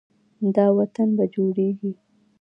دا وطن به جوړیږي.